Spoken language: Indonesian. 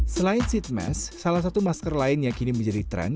selain seat mask salah satu masker lain yang kini menjadi tren